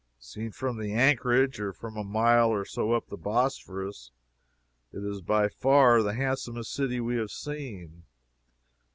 Seen from the anchorage or from a mile or so up the Bosporus, it is by far the handsomest city we have seen.